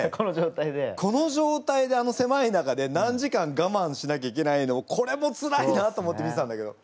この状態であのせまい中で何時間がまんしなきゃいけないのをこれもつらいなと思って見てたんだけど。